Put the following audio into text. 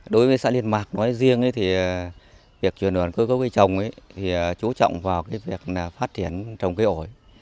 đối với xã liên mạc nói riêng thì việc chuyển đổi cơ cấu cây trồng chú trọng vào việc phát triển trồng cây ổi